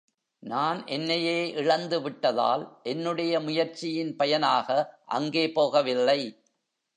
நான் என்னையே இழந்துவிட்டதால் என்னுடைய முயற்சியின் பயனாக அங்கே போகவில்லை.